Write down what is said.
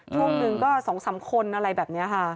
ช่วงหนึ่งก็๒๓คนอะไรแบบนี้ค่ะ